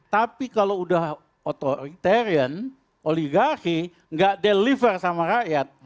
tapi kalau udah authoritarian oligarki nggak deliver sama rakyat